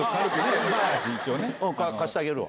貸してあげるわ。